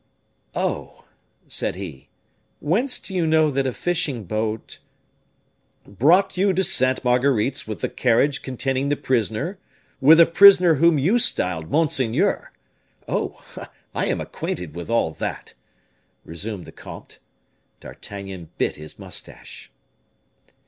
"Oh!" said he; "whence do you know that a fishing boat ?" "Brought you to Sainte Marguerite's with the carriage containing the prisoner with a prisoner whom you styled monseigneur. Oh! I am acquainted with all that," resumed the comte. D'Artagnan bit his mustache.